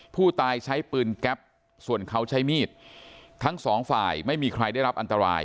ผู้ตายใช้ปืนแก๊ปส่วนเขาใช้มีดทั้งสองฝ่ายไม่มีใครได้รับอันตราย